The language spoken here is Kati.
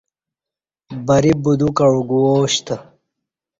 بری بدو کعو گواشتہ